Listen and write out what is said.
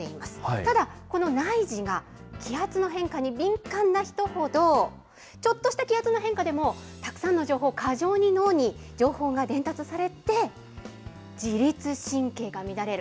ただ、この内耳が気圧の変化に敏感な人ほど、ちょっとした気圧の変化でも、たくさんの情報を過剰に脳に情報が伝達されて、自律神経が乱れる。